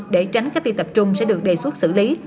để tránh cách ly tập trung sẽ được đề xuất xử lý